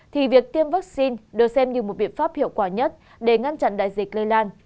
thì việc tiêm vaccine được xem như một biện pháp hiệu quả nhất để ngăn chặn đại dịch lây lan